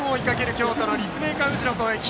京都の立命館宇治の攻撃。